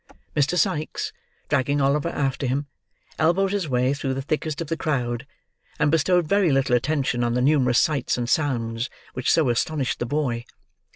Mr. Sikes, dragging Oliver after him, elbowed his way through the thickest of the crowd, and bestowed very little attention on the numerous sights and sounds, which so astonished the boy.